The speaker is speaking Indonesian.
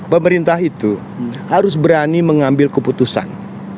pemerintah itu harus berani mengambil keputusan